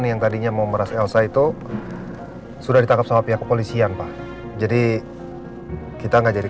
remake tadinya memerasan saya itu sudah ditangkap mempunyai kepolisian pak jadi kita nggak jadi